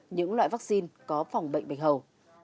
những loại vaccine có phòng bệnh bạch hầu